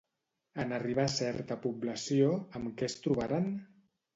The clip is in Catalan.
En arribar a certa població, amb què es trobaren?